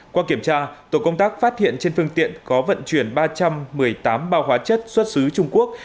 qua kiểm tra tổ công tác phát hiện trên phương tiện có vận chuyển ba trăm một mươi tám bao hóa chất xuất xứ trung quốc